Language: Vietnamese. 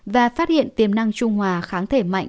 và phát hiện tiềm năng trung hòa kháng thể mạnh